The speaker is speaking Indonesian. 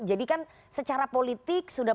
jadi kan secara politik sudah